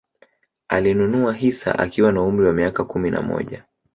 Alinunua hisa akiwa na umri wa miaka kumi na moja